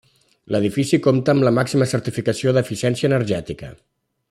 L'edifici compta amb la màxima certificació d'eficiència energètica.